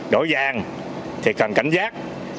đổi vàng thì cần cảnh giác